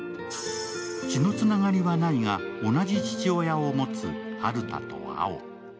血のつながりはないが、同じ父親を持つ晴太と蒼。